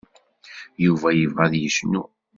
Yuba yebɣa ad yecnu.